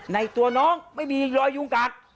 ในตัวน้องไม่มีรอยยุงกัด